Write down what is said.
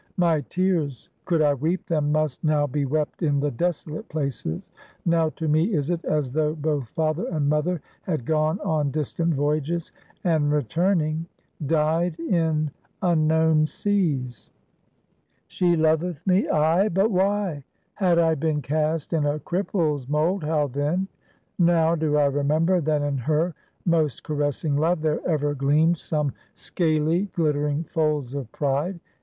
My tears, could I weep them, must now be wept in the desolate places; now to me is it, as though both father and mother had gone on distant voyages, and, returning, died in unknown seas. She loveth me, ay; but why? Had I been cast in a cripple's mold, how then? Now, do I remember that in her most caressing love, there ever gleamed some scaly, glittering folds of pride.